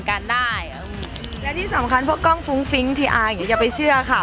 การได้แล้วที่สำคัญเพราะกล้องฟุ้งฟิ้งทีอาร์อย่าไปเชื่อค่ะ